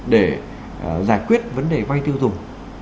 để giải quyết vấn đề vai tiêu dùng